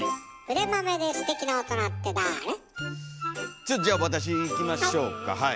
ちょっじゃあ私いきましょうかはい。